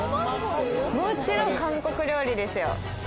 もちろん韓国料理ですよ。